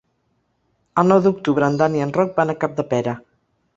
El nou d'octubre en Dan i en Roc van a Capdepera.